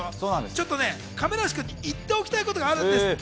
亀梨君に言っておきたいことがあるんですって。